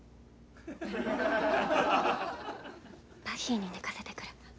バギーに寝かせてくる。